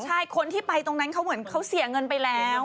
ใช่คนที่ไปตรงนั้นเขาเหมือนเขาเสียเงินไปแล้ว